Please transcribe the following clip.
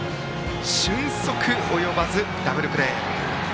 俊足及ばずダブルプレー。